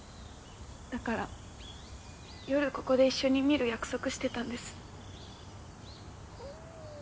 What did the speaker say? だから夜ここで一緒に見る約束してたんです。